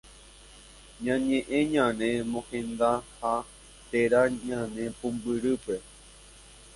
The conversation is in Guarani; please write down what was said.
Ñañe'ẽ ñane mohendaha térã ñane pumbyrýpe